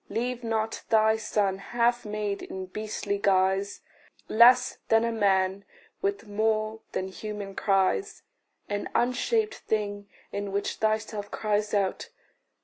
Leave not thy son half made in beastly guise Less than a man, with more than human cries An unshaped thing in which thyself cries out!